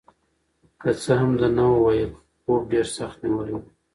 که څه هم ده نه وویل خو خوب ډېر سخت نیولی و.